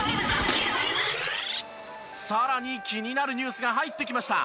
さらに気になるニュースが入ってきました。